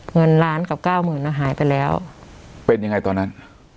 เงินละกับเก้ามือนหายไปแล้วเป็นอย่างไรตอนนั้น